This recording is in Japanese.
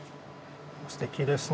すてきですね。